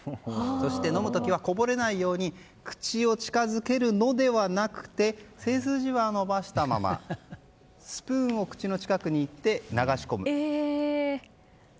そして飲む時はこぼれないように口を近づけるのではなくて背筋は伸ばしたままスプーンを口の近くに行って流し込む。